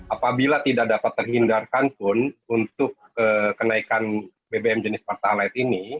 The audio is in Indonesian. apabila tidak dapat terhindarkan pun untuk kenaikan bbm jenis pertalite ini